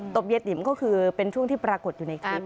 บเยติ๋มก็คือเป็นช่วงที่ปรากฏอยู่ในคลิป